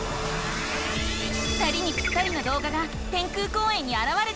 ２人にぴったりのどうがが天空公園にあらわれた。